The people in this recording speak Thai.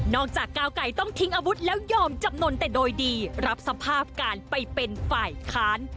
จากก้าวไก่ต้องทิ้งอาวุธแล้วยอมจำนวนแต่โดยดีรับสภาพการไปเป็นฝ่ายค้าน